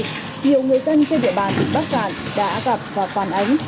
nhiều người dân trên địa bàn bắc phản đã gặp và phản ánh